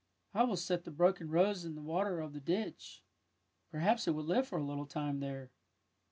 '' I will set the broken rose in the water of the ditch. Perhaps it will live for a little time there!